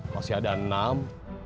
masih ada enam